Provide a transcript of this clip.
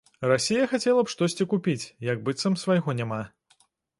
Расія хацела б штосьці купіць, як быццам свайго няма.